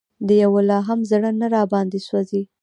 د یوه لا هم زړه نه راباندې سوزي